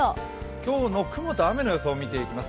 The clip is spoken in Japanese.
今日の雲と雨の予想を見ていきます。